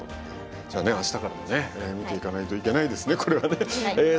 あしたから見ていかないといけないですね、これはね。